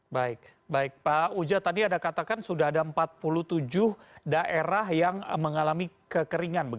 baik baik pak uja tadi ada katakan sudah ada empat puluh tujuh daerah yang mengalami kekeringan